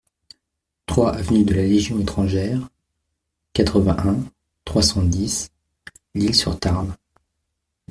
trois avenue de la Légion Etrangère, quatre-vingt-un, trois cent dix, Lisle-sur-Tarn